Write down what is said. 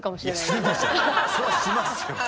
そりゃしますよ。